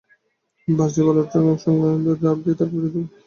পাঁচটি বালুর ট্রাক, অসংখ্য পুলিশ, র্যাব দিয়ে তাঁকে অবরুদ্ধ করে রাখা হয়।